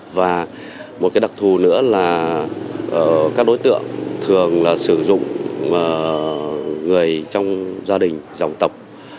và một đặc thù nữa là các đối tượng thường sử dụng người trong gia đình dòng tộc